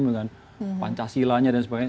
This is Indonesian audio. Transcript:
dengan pancasila dan sebagainya